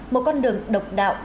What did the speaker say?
một con đường độc đạo